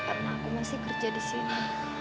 karena aku masih kerja di sini